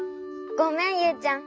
ごめんユウちゃん。